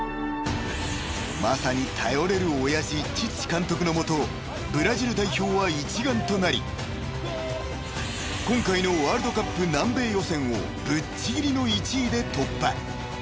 ［まさに頼れる親父チッチ監督の下ブラジル代表は一丸となり今回のワールドカップ南米予選をぶっちぎりの１位で突破］